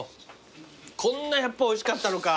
こんなやっぱおいしかったのか。